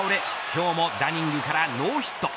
今日もダニングからノーヒット。